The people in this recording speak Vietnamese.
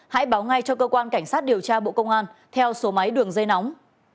hãy báo ngay cho cơ quan cảnh sát điều tra bộ công an theo số máy đường dây nóng